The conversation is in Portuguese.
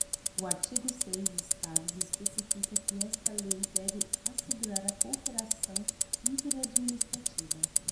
O artigo seis estados especifica que esta lei deve assegurar a cooperação inter-administrativa.